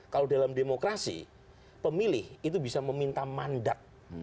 kalau dalam demokrasi pemilih itu bisa meminta mandat